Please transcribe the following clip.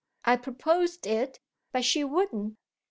"I proposed it, but she wouldn't."